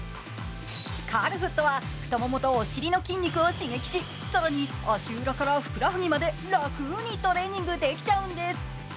カルフットは太ももとお尻の筋肉を刺激し、更に足裏からふくらはぎまで楽にトレーニングできちゃうんです。